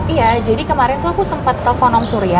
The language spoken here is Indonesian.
iya jadi kemarin tuh aku sempat telfon om surya